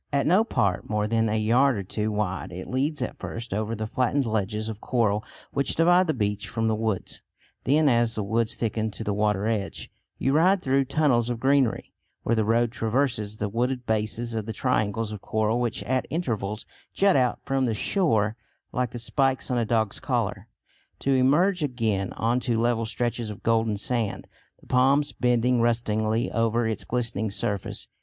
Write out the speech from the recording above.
At no part more than a yard or two wide, it leads at first over the flattened ledges of coral which divide the beach from the woods. Then as the woods thicken to the water edge, you ride through tunnels of greenery, where the road traverses the wooded bases of the triangles of coral which at intervals jut out from the shore like the spikes on a dog's collar, to emerge again on to level stretches of golden sand, the palms bending rustlingly over its glittering surface.